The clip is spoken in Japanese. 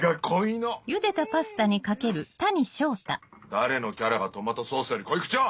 誰のキャラがトマトソースより濃い口よ！